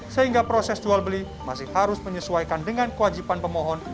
sehingga proses jual beli masih harus menyesuaikan dengan kewajiban pemohon